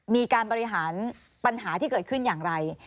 มีการบริหารปัญหาที่เกิดขึ้นอย่างไร